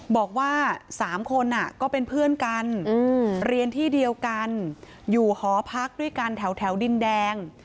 บอกว่า๓คนก็เป็นเพื่อนกันเรียนที่เดียวกันอยู่หอพักด้วยกันแถวดินแดง